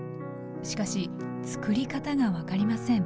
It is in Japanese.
しかしつくり方が分かりません。